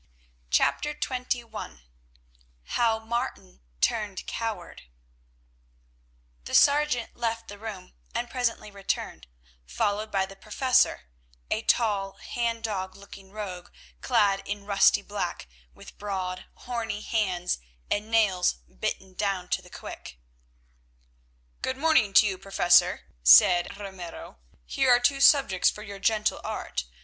CHAPTER XXI HOW MARTIN TURNED COWARD The sergeant left the room and presently returned, followed by the Professor, a tall hang dog looking rogue, clad in rusty black, with broad, horny hands, and nails bitten down to the quick. "Good morning to you, Professor," said Ramiro. "Here are two subjects for your gentle art.